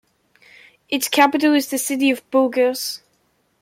Its capital is the city of Burgos.